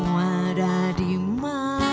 kau ada dimana